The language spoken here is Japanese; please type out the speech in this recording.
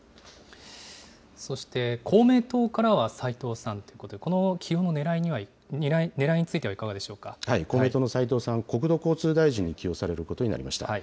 そして、公明党からは斉藤さんということで、この起用のねらいについては、公明党の斉藤さん、国土交通大臣に起用されることになりました。